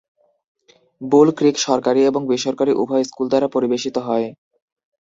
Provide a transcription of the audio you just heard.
বুল Creek সরকারি এবং বেসরকারি উভয় স্কুল দ্বারা পরিবেশিত হয়।